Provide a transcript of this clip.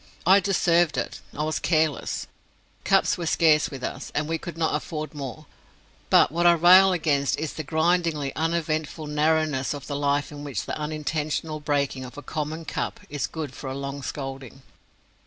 I deserved it I was careless, cups were scarce with us, and we could not afford more; but what I rail against is the grindingly uneventful narrowness of the life in which the unintentional breaking of a common cup is good for a long scolding.